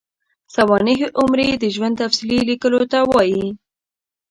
سوانح عمري د ژوند تفصیلي لیکلو ته وايي.